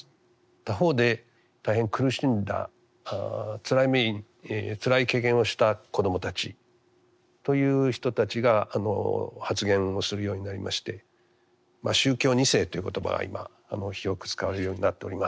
他方で大変苦しんだつらい経験をした子どもたちという人たちが発言をするようになりまして「宗教２世」という言葉は今広く使われるようになっております。